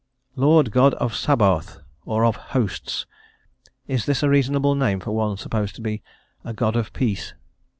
"Lord God of Sabaoth," or of "Hosts;" is this a reasonable name for one supposed to be a "God of peace?"